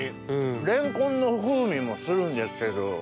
レンコンの風味もするんですけど。